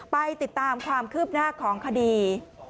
ไปติดตามความคืบหน้าของคดี